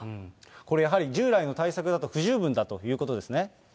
これ、やはり従来の対策だと不十分だということですね。